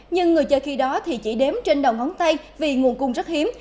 nhưng người chơi khi đó thì chỉ đếm trên đầu ngón tay vì nguồn cung rất hiếm